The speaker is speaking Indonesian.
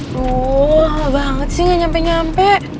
dua banget sih gak nyampe nyampe